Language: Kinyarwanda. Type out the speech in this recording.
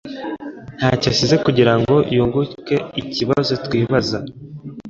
ntacyo asize kugirango yungukeikibazo twibaza